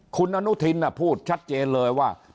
คุณอนุทินพูดชัดเจนเลยว่า